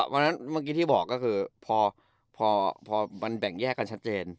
เมื่อกี้ที่บอกก็คือพอมันแบ่งแยกกันชัดเจน